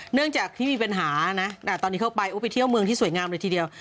เนื่องจากที่มีปัญหานะตอนนี้เข้าไปไปเที่ยวเมืองที่สวยงามเลยทีเดียว